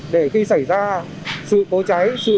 để khi xảy ra sự cố cháy